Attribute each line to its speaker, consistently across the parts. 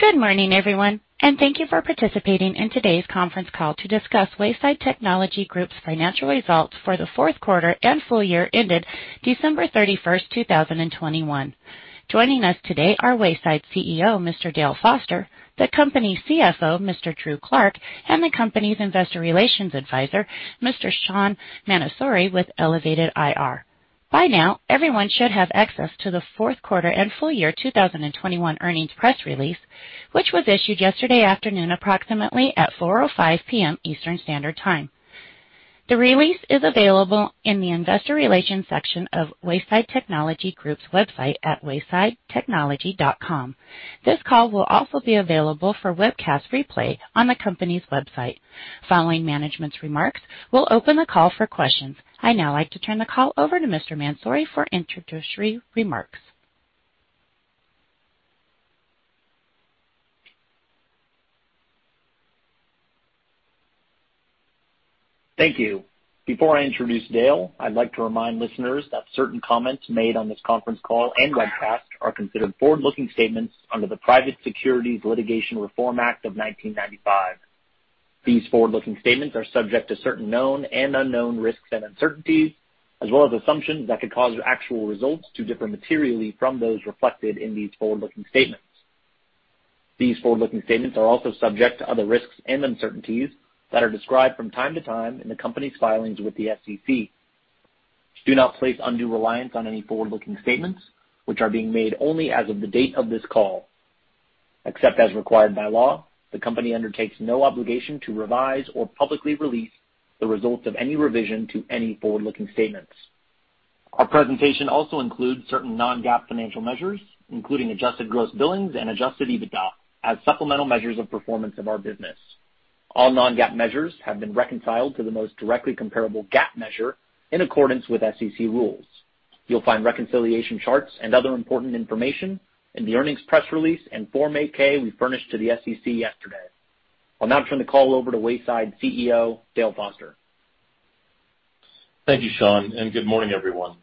Speaker 1: Good morning, everyone, and thank you for participating in today's conference call to discuss Wayside Technology Group's financial results for the fourth quarter and full year ended December 31st, 2021. Joining us today are Wayside CEO, Mr. Dale Foster, the company's CFO, Mr. Andrew Clark, and the company's Investor Relations Advisor, Mr. Sean Mansouri with Elevate IR. By now, everyone should have access to the fourth quarter and full year 2021 earnings press release, which was issued yesterday afternoon, approximately at 4:05 P.M. Eastern Standard Time. The release is available in the investor relations section of Wayside Technology Group's website at waysidetechnology.com. This call will also be available for webcast replay on the company's website. Following management's remarks, we'll open the call for questions. I'd now like to turn the call over to Mr. Mansouri for introductory remarks.
Speaker 2: Thank you. Before I introduce Dale, I'd like to remind listeners that certain comments made on this conference call and webcast are considered forward-looking statements under the Private Securities Litigation Reform Act of 1995. These forward-looking statements are subject to certain known and unknown risks and uncertainties, as well as assumptions that could cause actual results to differ materially from those reflected in these forward-looking statements. These forward-looking statements are also subject to other risks and uncertainties that are described from time to time in the company's filings with the SEC. Do not place undue reliance on any forward-looking statements, which are being made only as of the date of this call. Except as required by law, the company undertakes no obligation to revise or publicly release the results of any revision to any forward-looking statements. Our presentation also includes certain non-GAAP financial measures, including adjusted gross billings and adjusted EBITDA, as supplemental measures of performance of our business. All non-GAAP measures have been reconciled to the most directly comparable GAAP measure in accordance with SEC rules. You'll find reconciliation charts and other important information in the earnings press release and Form 8-K we furnished to the SEC yesterday. I'll now turn the call over to Wayside CEO, Dale Foster.
Speaker 3: Thank you, Sean, and good morning, everyone.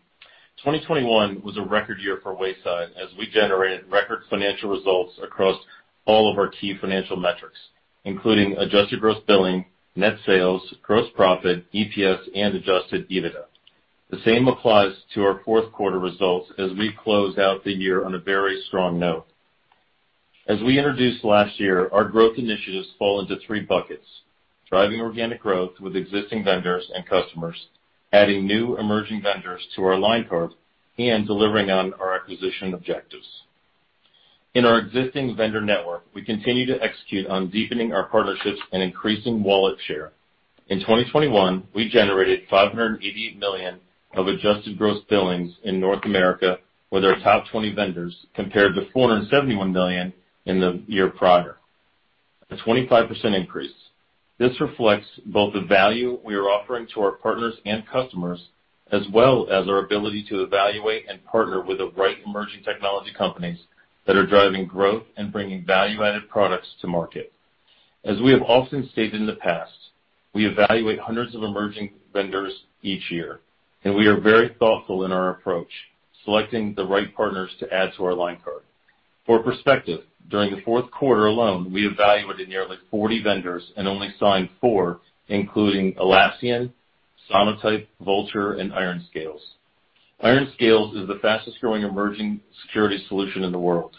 Speaker 3: 2021 was a record year for Wayside as we generated record financial results across all of our key financial metrics, including adjusted gross billings, net sales, gross profit, EPS, and adjusted EBITDA. The same applies to our fourth quarter results as we closed out the year on a very strong note. As we introduced last year, our growth initiatives fall into three buckets, driving organic growth with existing vendors and customers, adding new emerging vendors to our line card, and delivering on our acquisition objectives. In our existing vendor network, we continue to execute on deepening our partnerships and increasing wallet share. In 2021, we generated $588 million of adjusted gross billings in North America with our top 20 vendors, compared to $471 million in the year prior, a 25% increase. This reflects both the value we are offering to our partners and customers, as well as our ability to evaluate and partner with the right emerging technology companies that are driving growth and bringing value-added products to market. As we have often stated in the past, we evaluate hundreds of emerging vendors each year, and we are very thoughtful in our approach, selecting the right partners to add to our line card. For perspective, during the fourth quarter alone, we evaluated nearly 40 vendors and only signed four, including Atlassian, Sonatype, Vultr, and IRONSCALES. IRONSCALES is the fastest-growing emerging security solution in the world.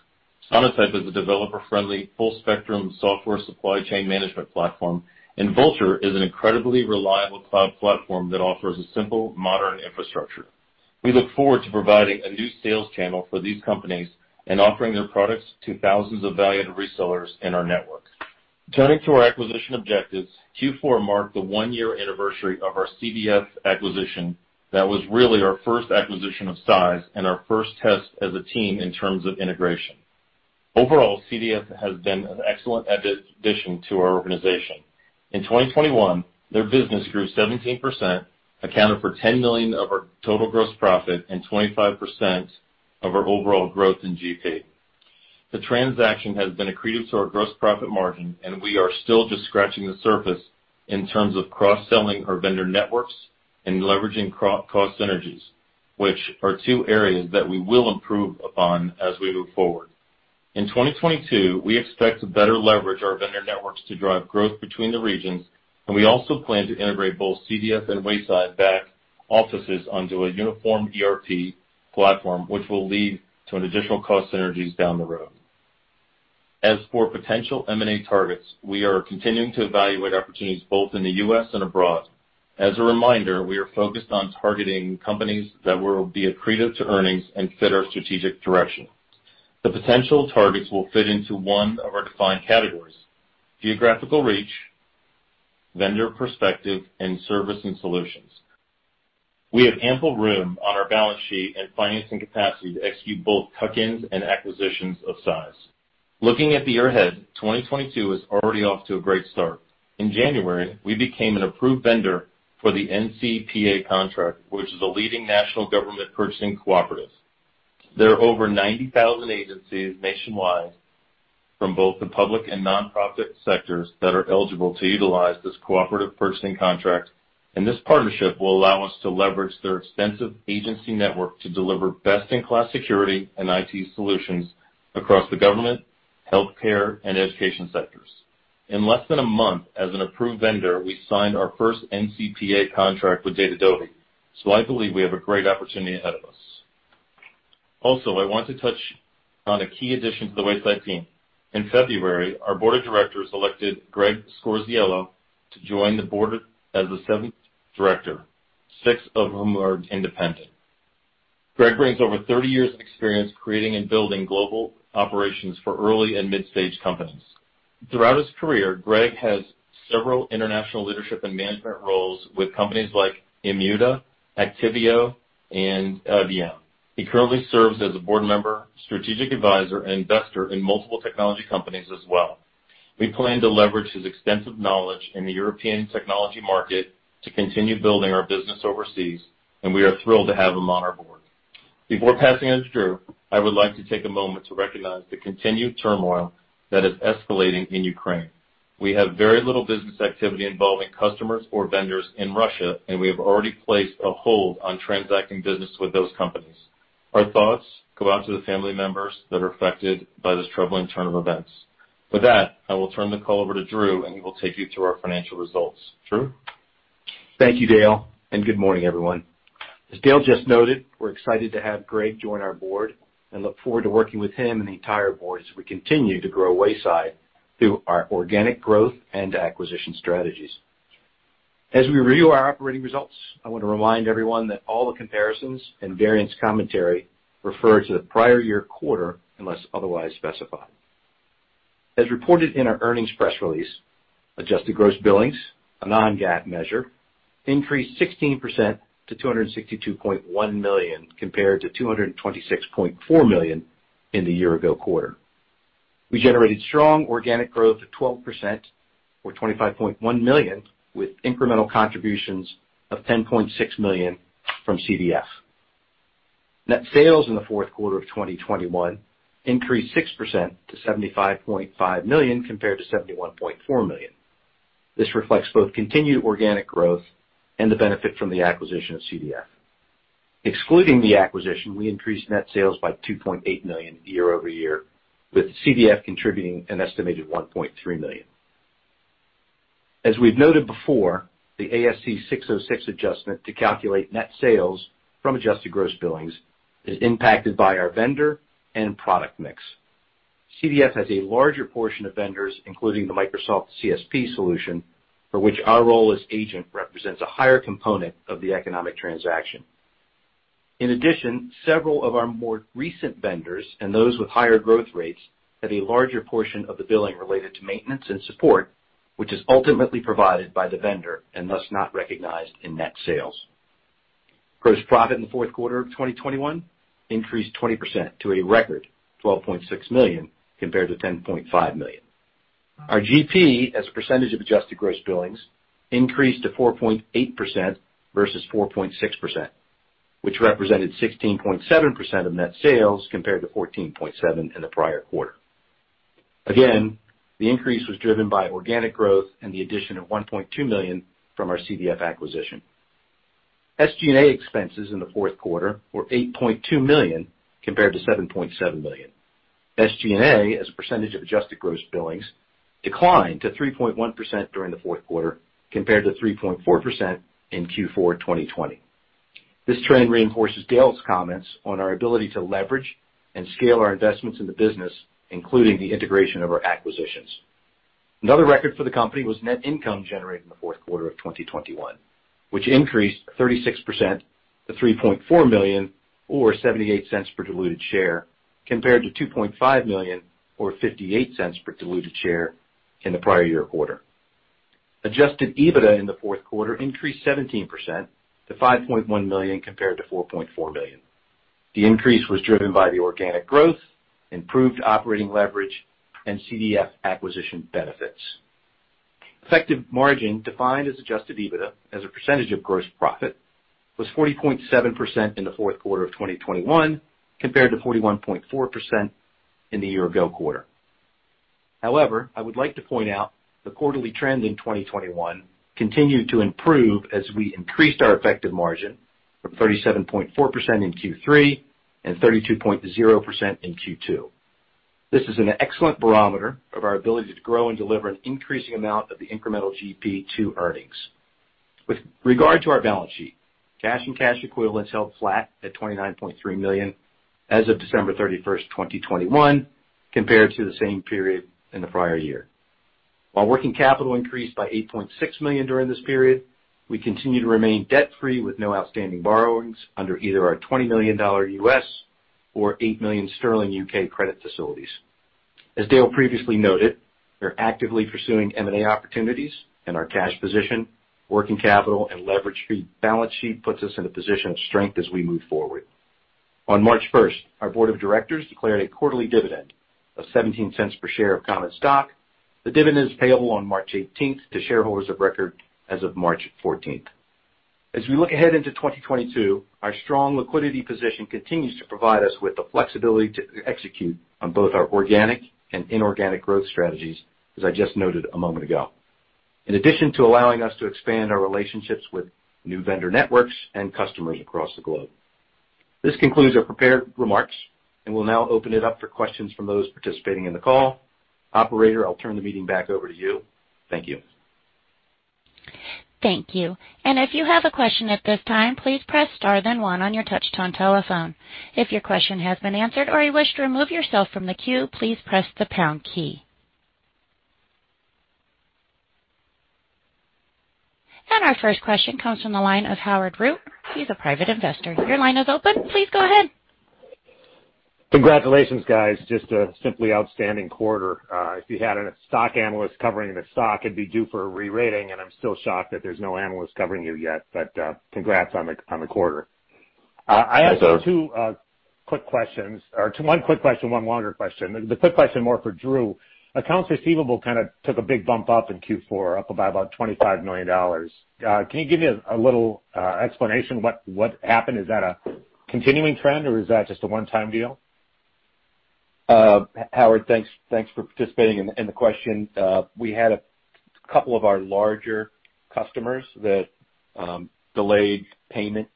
Speaker 3: Sonatype is a developer-friendly, full-spectrum software supply chain management platform. Vultr is an incredibly reliable cloud platform that offers a simple modern infrastructure. We look forward to providing a new sales channel for these companies and offering their products to thousands of valued resellers in our network. Turning to our acquisition objectives, Q4 marked the one-year anniversary of our CDF acquisition that was really our first acquisition of size and our first test as a team in terms of integration. Overall, CDF has been an excellent addition to our organization. In 2021, their business grew 17%, accounted for $10 million of our total gross profit and 25% of our overall growth in GP. The transaction has been accretive to our gross profit margin, and we are still just scratching the surface in terms of cross-selling our vendor networks and leveraging cost synergies, which are two areas that we will improve upon as we move forward. In 2022, we expect to better leverage our vendor networks to drive growth between the regions, and we also plan to integrate both CDF and Wayside back offices onto a uniform ERP platform, which will lead to an additional cost synergies down the road. As for potential M&A targets, we are continuing to evaluate opportunities both in the U.S. and abroad. As a reminder, we are focused on targeting companies that will be accretive to earnings and fit our strategic direction. The potential targets will fit into one of our defined categories, geographical reach, vendor perspective, and service and solutions. We have ample room on our balance sheet and financing capacity to execute both tuck-ins and acquisitions of size. Looking at the year ahead, 2022 is already off to a great start. In January, we became an approved vendor for the NCPA contract, which is a leading national government purchasing cooperative. There are over 90,000 agencies nationwide from both the public and nonprofit sectors that are eligible to utilize this cooperative purchasing contract. This partnership will allow us to leverage their extensive agency network to deliver best-in-class security and IT solutions across the government, healthcare, and education sectors. In less than a month as an approved vendor, we signed our first NCPA contract with DataDove, so I believe we have a great opportunity ahead of us. Also, I want to touch on a key addition to the Wayside team. In February, our board of directors elected Greg Scorziello to join the board as the seventh director, six of whom are independent. Greg brings over 30 years of experience creating and building global operations for early and mid-stage companies. Throughout his career, Greg has several international leadership and management roles with companies like Immuta, Actifio, and IBM. He currently serves as a board member, strategic advisor, and investor in multiple technology companies as well. We plan to leverage his extensive knowledge in the European technology market to continue building our business overseas, and we are thrilled to have him on our board. Before passing it to Drew, I would like to take a moment to recognize the continued turmoil that is escalating in Ukraine. We have very little business activity involving customers or vendors in Russia, and we have already placed a hold on transacting business with those companies. Our thoughts go out to the family members that are affected by this troubling turn of events. With that, I will turn the call over to Drew, and he will take you through our financial results. Drew?
Speaker 4: Thank you, Dale, and good morning, everyone. As Dale just noted, we're excited to have Greg join our board and look forward to working with him and the entire board as we continue to grow Wayside through our organic growth and acquisition strategies. As we review our operating results, I want to remind everyone that all the comparisons and variance commentary refer to the prior year quarter, unless otherwise specified. As reported in our earnings press release, adjusted gross billings, a non-GAAP measure, increased 16% to $262.1 million, compared to $226.4 million in the year ago quarter. We generated strong organic growth of 12% or $25.1 million, with incremental contributions of $10.6 million from CDF. Net sales in the fourth quarter of 2021 increased 6% to $75.5 million compared to $71.4 million. This reflects both continued organic growth and the benefit from the acquisition of CDF. Excluding the acquisition, we increased net sales by $2.8 million year-over-year, with CDF contributing an estimated $1.3 million. As we've noted before, the ASC 606 adjustment to calculate net sales from adjusted gross billings is impacted by our vendor and product mix. CDF has a larger portion of vendors, including the Microsoft CSP solution, for which our role as agent represents a higher component of the economic transaction. In addition, several of our more recent vendors and those with higher growth rates have a larger portion of the billing related to maintenance and support, which is ultimately provided by the vendor and thus not recognized in net sales. Gross profit in the fourth quarter of 2021 increased 20% to a record $12.6 million compared to $10.5 million. Our GP as a percentage of adjusted gross billings increased to 4.8% versus 4.6%, which represented 16.7% of net sales compared to 14.7% in the prior quarter. Again, the increase was driven by organic growth and the addition of $1.2 million from our CDF acquisition. SG&A expenses in the fourth quarter were $8.2 million compared to $7.7 million. SG&A, as a percentage of adjusted gross billings, declined to 3.1% during the fourth quarter compared to 3.4% in Q4 2020. This trend reinforces Dale's comments on our ability to leverage and scale our investments in the business, including the integration of our acquisitions. Another record for the company was net income generated in the fourth quarter of 2021, which increased 36% to $3.4 million or $0.78 per diluted share, compared to $2.5 million or $0.58 per diluted share in the prior year quarter. Adjusted EBITDA in the fourth quarter increased 17% to $5.1 million compared to $4.4 million. The increase was driven by the organic growth, improved operating leverage, and CDF acquisition benefits. Effective margin, defined as adjusted EBITDA as a percentage of gross profit, was 40.7% in the fourth quarter of 2021 compared to 41.4% in the year ago quarter. However, I would like to point out the quarterly trend in 2021 continued to improve as we increased our effective margin from 37.4% in Q3 and 32.0% in Q2. This is an excellent barometer of our ability to grow and deliver an increasing amount of the incremental GP to earnings. With regard to our balance sheet, cash and cash equivalents held flat at $29.3 million as of December 31st, 2021 compared to the same period in the prior year. While working capital increased by $8.6 million during this period, we continue to remain debt-free with no outstanding borrowings under either our $20 million U.S. or 8 million sterling U.K. credit facilities. As Dale previously noted, we're actively pursuing M&A opportunities, and our cash position, working capital, and leverage-free balance sheet puts us in a position of strength as we move forward. On March 1st, our board of directors declared a quarterly dividend of $0.17 per share of common stock. The dividend is payable on March 18th to shareholders of record as of March 14th. As we look ahead into 2022, our strong liquidity position continues to provide us with the flexibility to execute on both our organic and inorganic growth strategies, as I just noted a moment ago, in addition to allowing us to expand our relationships with new vendor networks and customers across the globe. This concludes our prepared remarks, and we'll now open it up for questions from those participating in the call. Operator, I'll turn the meeting back over to you. Thank you.
Speaker 1: Thank you. If you have a question at this time, please press Star then one on your touchtone telephone. If your question has been answered or you wish to remove yourself from the queue, please press the pound key. Our first question comes from the line of Howard Root. He's a Private Investor. Your line is open. Please go ahead.
Speaker 5: Congratulations, guys. Just a simply outstanding quarter. If you had a stock analyst covering the stock, it'd be due for a re-rating, and I'm still shocked that there's no analyst covering you yet. Congrats on the quarter.
Speaker 3: Thank you.
Speaker 5: I asked two quick questions or one quick question, one longer question. The quick question more for Drew. Accounts receivable kind of took a big bump up in Q4, up about $25 million. Can you give me a little explanation what happened? Is that a continuing trend, or is that just a one-time deal?
Speaker 4: Howard, thanks for participating in the question. We had a couple of our larger customers that delayed payment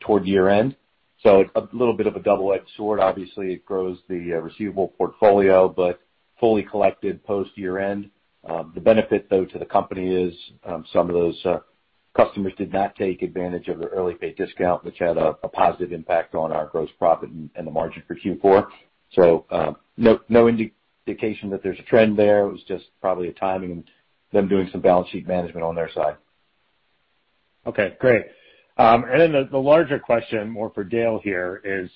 Speaker 4: toward year-end, so a little bit of a double-edged sword. Obviously, it grows the receivable portfolio, but fully collected post year-end. The benefit, though, to the company is some of those customers did not take advantage of their early pay discount, which had a positive impact on our gross profit and the margin for Q4. No indication that there's a trend there. It was just probably a timing and them doing some balance sheet management on their side.
Speaker 5: Okay, great. And then the larger question, more for Dale here is,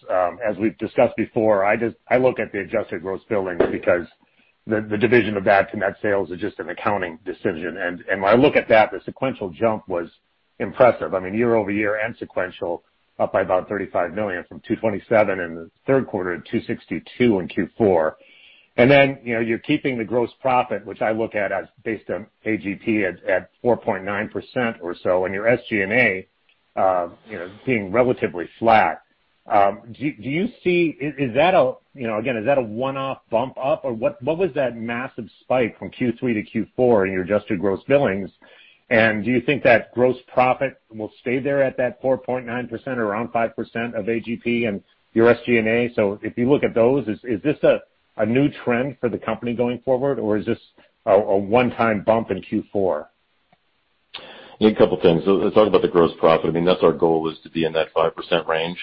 Speaker 5: as we've discussed before, I look at the adjusted gross billings because the division of that to net sales is just an accounting decision. And when I look at that, the sequential jump was impressive. I mean, year-over-year and sequential up by about $35 million from $227 in the third quarter to $262 in Q4. And then, you know, you're keeping the gross profit, which I look at as based on AGP at 4.9% or so, and your SG&A, you know, being relatively flat. Do you see is that a, you know, again, is that a one-off bump up? Or what was that massive spike from Q3 to Q4 in your adjusted gross billings? Do you think that gross profit will stay there at that 4.9% or around 5% of AGP and your SG&A? If you look at those, is this a new trend for the company going forward, or is this a one-time bump in Q4?
Speaker 3: Yeah, a couple things. To talk about the gross profit, I mean, that's our goal is to be in that 5% range,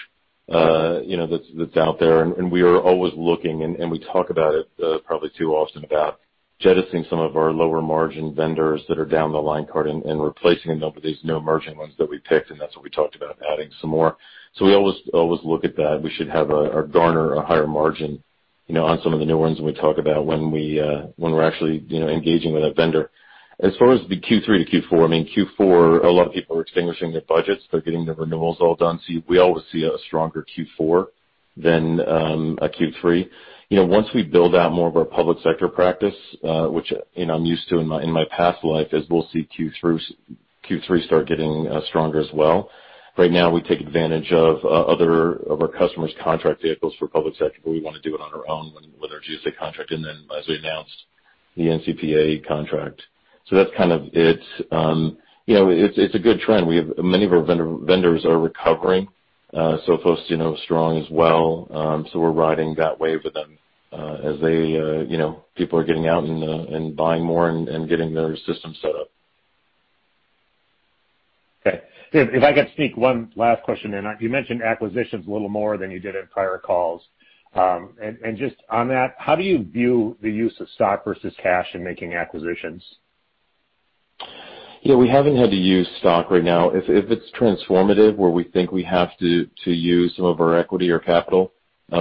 Speaker 3: you know, that's out there. We are always looking, and we talk about it probably too often, about jettisoning some of our lower margin vendors that are down the line card and replacing them with these new emerging ones that we picked. That's what we talked about, adding some more. We always look at that. We should have or garner a higher margin, you know, on some of the new ones we talk about when we're actually, you know, engaging with a vendor. As far as the Q3 to Q4, I mean, Q4, a lot of people are exhausting their budgets. They're getting their renewals all done. We always see a stronger Q4 than a Q3. Once we build out more of our public sector practice, which I'm used to in my past life, is we'll see Q3 start getting stronger as well. Right now, we take advantage of our customers contract vehicles for public sector, but we wanna do it on our own when there's GSA contract and then as we announced the NCPA contract. That's kind of it. It's a good trend. Many of our vendors are recovering, so folks strong as well. We're riding that wave with them as they people are getting out and buying more and getting their system set up.
Speaker 5: Okay. If I could sneak one last question in. You mentioned acquisitions a little more than you did in prior calls. Just on that, how do you view the use of stock versus cash in making acquisitions?
Speaker 3: Yeah, we haven't had to use stock right now. If it's transformative where we think we have to use some of our equity or capital,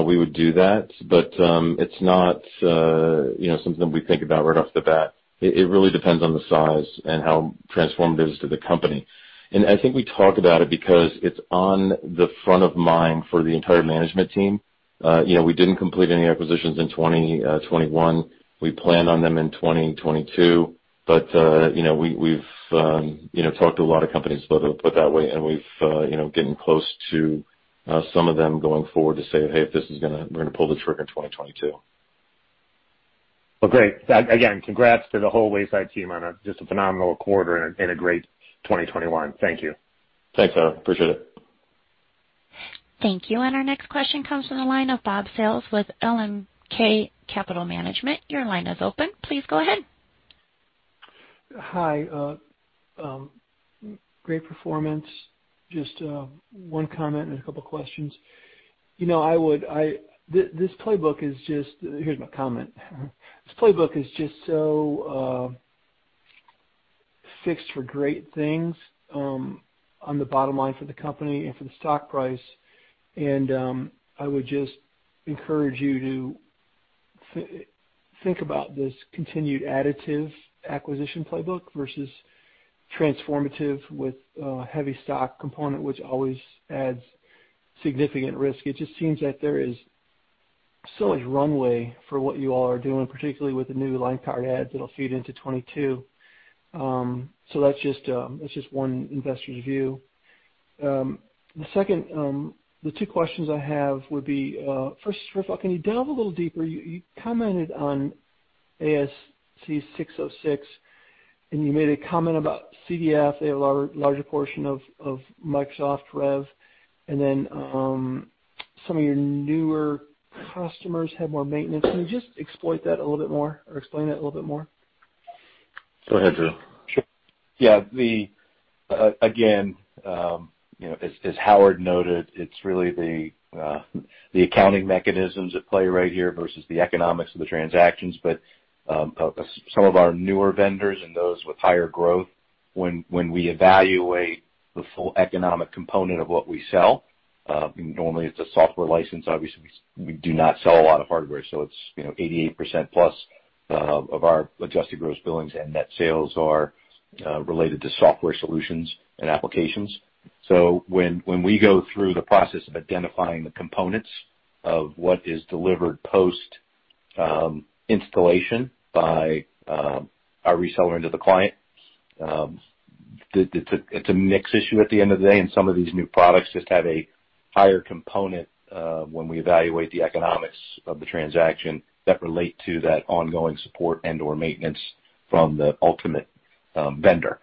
Speaker 3: we would do that. It's not, you know, something that we think about right off the bat. It really depends on the size and how transformative it is to the company. I think we talk about it because it's on the front of mind for the entire management team. You know, we didn't complete any acquisitions in 2021. We plan on them in 2022. You know, we've talked to a lot of companies, put that way, and we've gotten close to some of them going forward to say, "Hey, if this is gonna, we're gonna pull the trigger in 2022.
Speaker 5: Well, great. Again, congrats to the whole Wayside team on just a phenomenal quarter and a great 2021. Thank you.
Speaker 3: Thanks, Howard. Appreciate it.
Speaker 1: Thank you. Our next question comes from the line of Bob Sales with LMK Capital Management. Your line is open. Please go ahead.
Speaker 6: Hi. Great performance. Just one comment and a couple questions. You know, here's my comment. This playbook is just so fixed for great things on the bottom line for the company and for the stock price. I would just encourage you to think about this continued additive acquisition playbook versus transformative with a heavy stock component, which always adds significant risk. It just seems that there is so much runway for what you all are doing, particularly with the new line card ads that'll feed into 2022. That's just one investor's view. Second, the two questions I have would be, first, Dale Foster, can you delve a little deeper? You commented on ASC 606, and you made a comment about CDF. They have a larger portion of Microsoft rev. Some of your newer customers have more maintenance. Can you just exploit that a little bit more or explain that a little bit more?
Speaker 3: Go ahead, Drew.
Speaker 4: Sure. Yeah, again, you know, as Howard noted, it's really the accounting mechanisms at play right here versus the economics of the transactions. Some of our newer vendors and those with higher growth, when we evaluate the full economic component of what we sell, normally it's a software license. Obviously, we do not sell a lot of hardware, so it's, you know, 88% plus of our adjusted gross billings and net sales are related to software solutions and applications. When we go through the process of identifying the components of what is delivered post installation by our reseller into the client, it's a mix issue at the end of the day, and some of these new products just have a higher component when we evaluate the economics of the transaction that relate to that ongoing support and or maintenance from the ultimate vendor.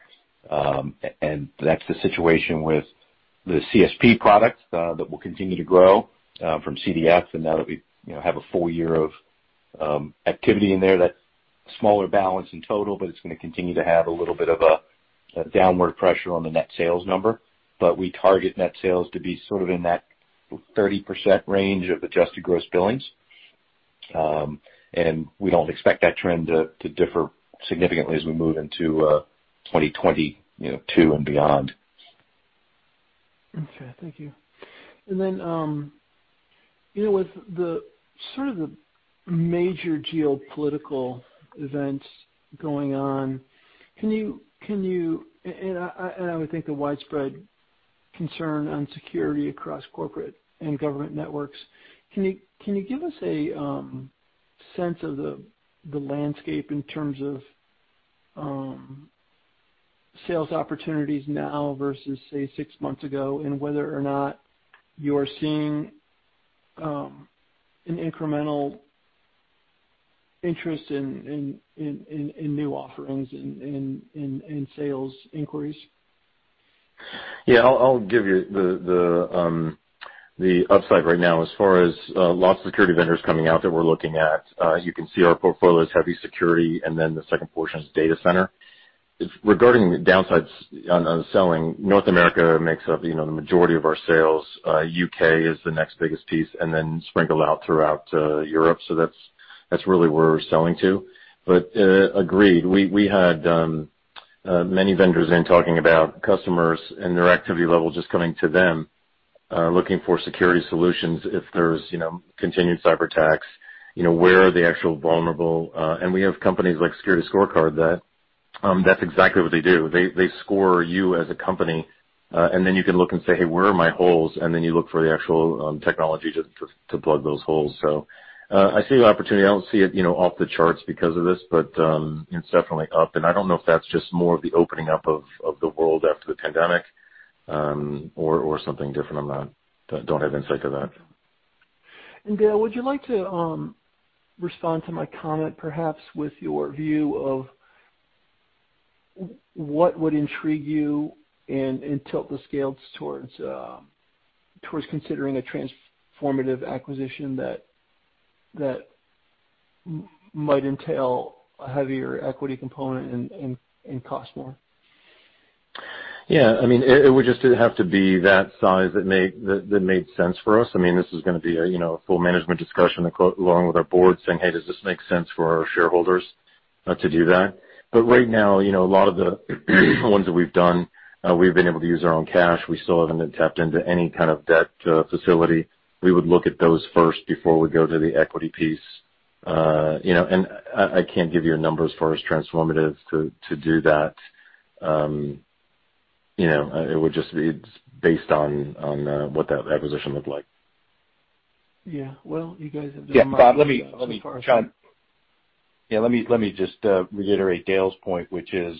Speaker 4: That's the situation with the CSP products that will continue to grow from CDF, and now that we you know have a full year of activity in there, that's a smaller balance in total, but it's gonna continue to have a little bit of a downward pressure on the net sales number. We target net sales to be sort of in that 30% range of adjusted gross billings. We don't expect that trend to differ significantly as we move into 2022 and beyond.
Speaker 6: Okay. Thank you. You know, with the sort of major geopolitical events going on and I would think the widespread concern on security across corporate and government networks, can you give us a sense of the landscape in terms of sales opportunities now versus, say, six months ago, and whether or not you are seeing an incremental interest in new offerings, in sales inquiries?
Speaker 3: Yeah. I'll give you the upside right now. As far as lots of security vendors coming out that we're looking at, you can see our portfolio is heavy security, and then the second portion is data center. Regarding the downsides on selling, North America makes up, you know, the majority of our sales. U.K. is the next biggest piece and then sprinkled out throughout Europe. So that's really where we're selling to. But agreed, we had many vendors in talking about customers and their activity level just coming to them looking for security solutions. If there's, you know, continued cyberattacks, you know, where are they actually vulnerable? And we have companies like SecurityScorecard that that's exactly what they do. They score you as a company, and then you can look and say, "Hey, where are my holes?" You look for the actual technology to plug those holes. I see the opportunity. I don't see it, you know, off the charts because of this, but it's definitely up. I don't know if that's just more of the opening up of the world after the pandemic, or something different. I don't have insight to that.
Speaker 6: Dale, would you like to respond to my comment perhaps with your view of what would intrigue you and tilt the scales towards considering a transformative acquisition that might entail a heavier equity component and cost more?
Speaker 3: Yeah. I mean, it would just have to be that size that made sense for us. I mean, this is gonna be a you know full management discussion along with our board saying, "Hey, does this make sense for our shareholders to do that?" Right now, you know, a lot of the ones that we've done we've been able to use our own cash. We still haven't tapped into any kind of debt facility. We would look at those first before we go to the equity piece. You know, I can't give you a number as far as transformative to do that. You know, it would just be based on what that acquisition looked like.
Speaker 6: Yeah. Well, you guys have done.
Speaker 4: Yeah, Bob, let me just reiterate Dale's point, which is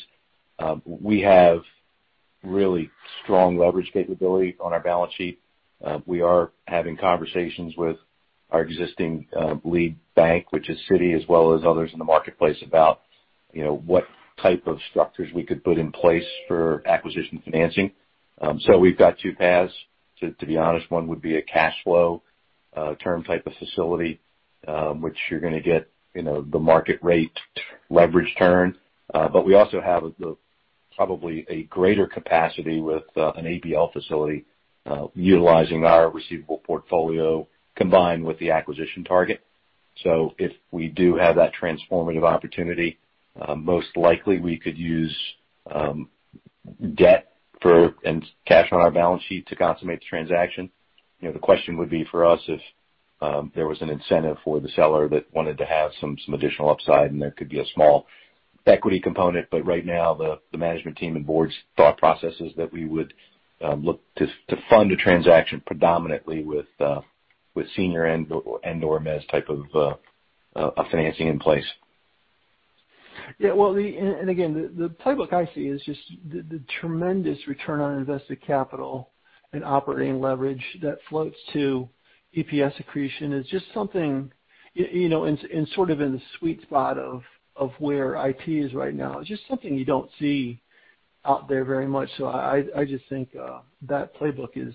Speaker 4: we have really strong leverage capability on our balance sheet. We are having conversations with our existing lead bank, which is Citi, as well as others in the marketplace about what type of structures we could put in place for acquisition financing. We've got two paths. To be honest, one would be a cash flow term type of facility, which you're gonna get the market rate leverage return. We also have probably a greater capacity with an ABL facility utilizing our receivable portfolio combined with the acquisition target. If we do have that transformative opportunity, most likely we could use debt and cash on our balance sheet to consummate the transaction. You know, the question would be for us if there was an incentive for the seller that wanted to have some additional upside, and there could be a small equity component, but right now the management team and board's thought process is that we would look to fund a transaction predominantly with senior and/or mezzanine type of financing in place.
Speaker 6: Yeah, well, and again, the playbook I see is just the tremendous return on invested capital and operating leverage that floats to EPS accretion is just something you know, in sort of in the sweet spot of where IT is right now. It's just something you don't see out there very much. I just think that playbook is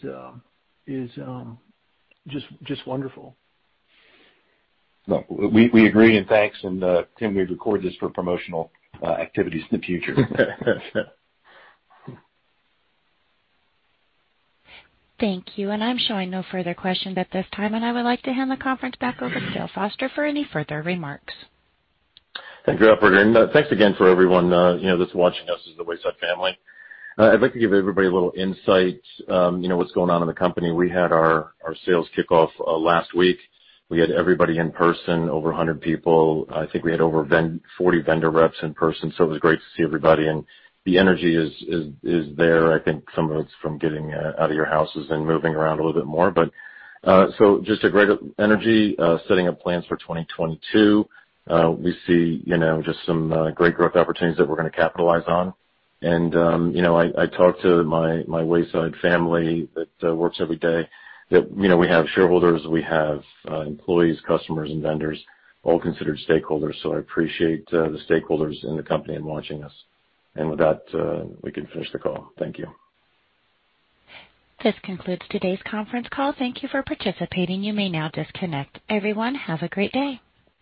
Speaker 6: just wonderful.
Speaker 3: No, we agree. Thanks. Tim, we record this for promotional activities in the future.
Speaker 1: Thank you. I'm showing no further questions at this time, and I would like to hand the conference back over to Dale Foster for any further remarks.
Speaker 3: Thank you, operator. Thanks again for everyone, you know, that's watching us as the Wayside family. I'd like to give everybody a little insight, you know, what's going on in the company. We had our sales kickoff last week. We had everybody in person, over 100 people. I think we had over 140 vendor reps in person, so it was great to see everybody. The energy is there. I think some of it's from getting out of your houses and moving around a little bit more. Just a great energy setting up plans for 2022. We see, you know, just some great growth opportunities that we're gonna capitalize on. You know, I talked to my Wayside family that works every day that, you know, we have shareholders, we have employees, customers, and vendors, all considered stakeholders. I appreciate the stakeholders in the company in watching us. With that, we can finish the call. Thank you.
Speaker 1: This concludes today's conference call. Thank you for participating. You may now disconnect. Everyone, have a great day.